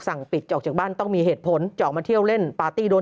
สั่งปิดจะออกจากบ้านต้องมีเหตุผลจะออกมาเที่ยวเล่นปาร์ตี้โดน